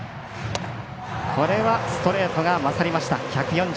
これはストレートが勝りました。